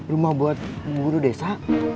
rumah buat buru desa